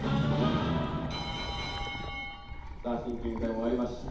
さあシンキングタイム終わりました。